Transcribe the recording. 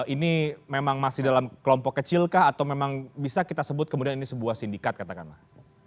ini memang masih dalam kelompok kecil kah atau memang bisa kita sebut kemudian ini sebuah sindikat katakanlah